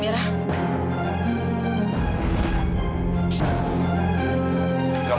jadi orang itu dia pak